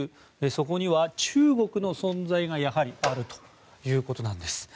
そこには中国の存在がやはりあるということです。